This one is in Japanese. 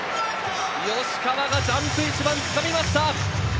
吉川がジャンピングしてつかみました！